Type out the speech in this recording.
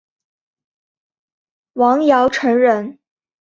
王尧臣人。